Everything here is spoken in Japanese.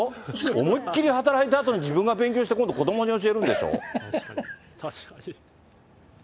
思いっきり働いたあとに、自分が勉強して今度子どもに教えるんで確かに。